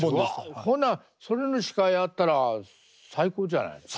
ほなそれの司会やったら最高じゃない。